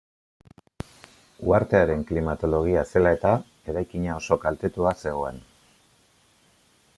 Uhartearen klimatologia zela eta, eraikina oso kaltetua zegoen.